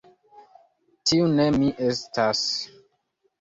Tiu ne mi estas!